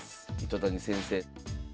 糸谷先生。